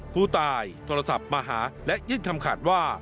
ผู้ตายโทรศัพท์มาหาและยื่นคำขาดว่า